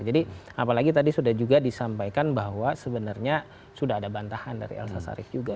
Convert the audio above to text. jadi apalagi tadi sudah juga disampaikan bahwa sebenarnya sudah ada bantahan dari elsa sarih juga